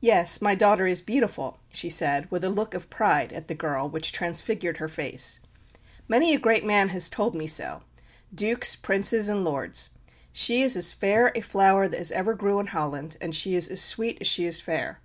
"Yes, my daughter is beautiful," she said, with a look of pride at the girl which transfigured her face. "Many a great man has told me so dukes, princes, and lords. She is as fair a flower as ever grew in Holland; and she is as sweet as she is fair.